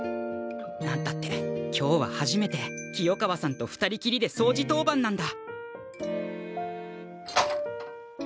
何たって今日は初めて清川さんと二人きりでそうじ当番なんだ！